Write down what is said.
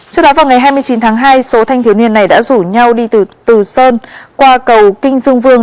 trước đó vào ngày hai mươi chín tháng hai số thanh thiếu niên này đã rủ nhau đi từ từ sơn qua cầu kinh dương vương